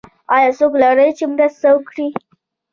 ایا څوک لرئ چې مرسته وکړي؟